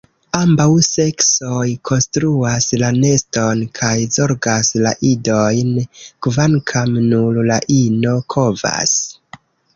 Ambaŭ seksoj konstruas la neston kaj zorgas la idojn, kvankam nur la ino kovas.